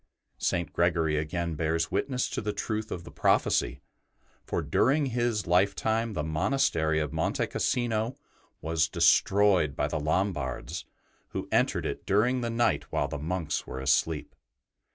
'' St. Gregory again bears witness to the truth of the prophecy, for, during his lifetime, the monastery of Monte Cassino was destroyed by the Lombards, who entered it during the night while the monks were asleep.